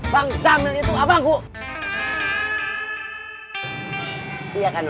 bang samil itu abangku